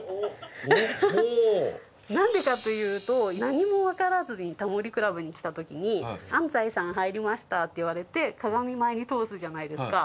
なんでかというと何もわからずに『タモリ倶楽部』に来た時に「安齋さん入りました」って言われて鏡前に通すじゃないですか。